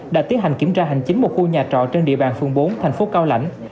đã tiến hành kiểm tra hành chính một khu nhà trọ trên địa bàn phường bốn thành phố cao lãnh